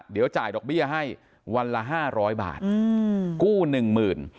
เดี๋ยวจ่ายดอกเบี้ยให้วันละห้าร้อยบาทอืมกู้หนึ่งหมื่น